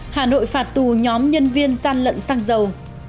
hà nội phạt tù nhóm nhân viên gian lận xăng dầu